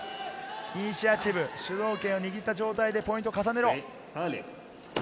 イニシアチブ、主導権を握った状態でポイント重ねろ。